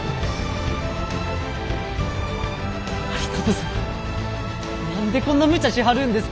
有功様何でこんなむちゃしはるんですか！